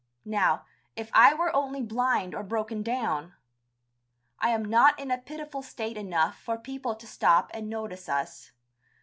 Now, if I were only blind or broken down! I am not in a pitiful state enough for people to stop and notice us.